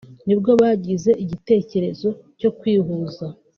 nibwo bagize igitekerezo cyo kwihuza